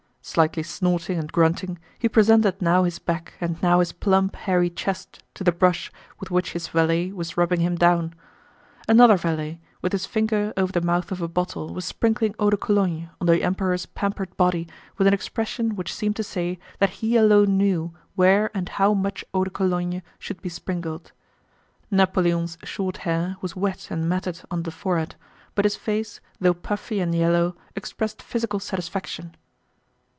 Slightly snorting and grunting, he presented now his back and now his plump hairy chest to the brush with which his valet was rubbing him down. Another valet, with his finger over the mouth of a bottle, was sprinkling Eau de Cologne on the Emperor's pampered body with an expression which seemed to say that he alone knew where and how much Eau de Cologne should be sprinkled. Napoleon's short hair was wet and matted on the forehead, but his face, though puffy and yellow, expressed physical satisfaction.